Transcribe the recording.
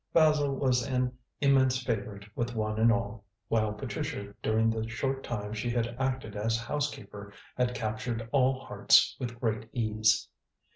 Basil was an immense favourite with one and all, while Patricia during the short time she had acted as housekeeper had captured all hearts with great ease.